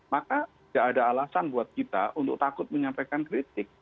maka tidak ada alasan buat kita untuk takut menyampaikan kritik